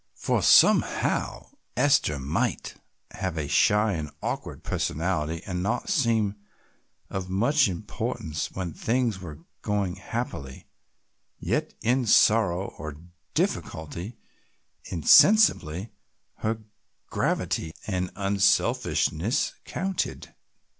For somehow Esther might have a shy and awkward personality and not seem of much importance when things were going happily, yet in sorrow or difficulty, insensibly her gravity and unselfishness counted.